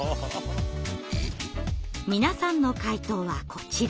皆さんの回答はこちら。